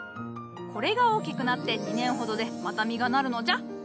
これが大きくなって２年ほどでまた実がなるのじゃ。